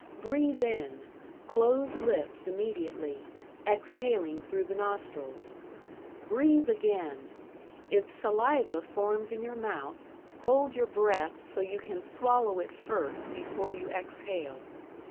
Breathe in, close lips immediately, exhaling through the nostrils. Breathe again; if saliva forms in your mouth, hold your breath so you can swallow it first before you exhale.